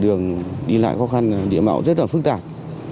đường đi lại khó khăn địa mạo rất là phức tạp